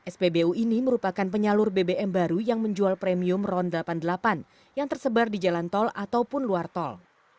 spbu ini merupakan penyalur bbm baru yang menjual premium ron delapan puluh delapan yang tersebar di jalan tol ataupun luar tol